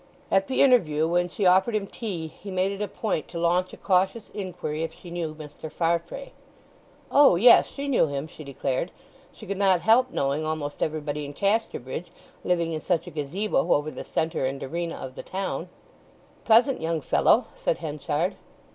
At the interview, when she offered him tea, he made it a point to launch a cautious inquiry if she knew Mr. Farfrae. O yes, she knew him, she declared; she could not help knowing almost everybody in Casterbridge, living in such a gazebo over the centre and arena of the town. "Pleasant young fellow," said Henchard.